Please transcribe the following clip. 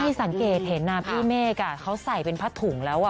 สังเกตเห็นนะพี่เมฆเขาใส่เป็นผ้าถุงแล้ว